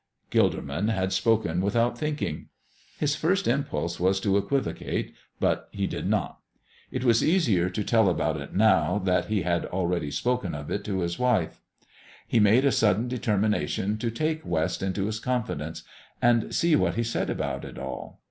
Gilderman had spoken without thinking. His first impulse was to equivocate, but he did not. It was easier to tell about it now that he had already spoken of it to his wife. He made a sudden determination to take West into his confidence and see what he said about it all.